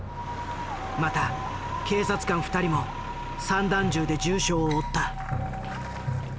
また警察官２人も散弾銃で重傷を負った。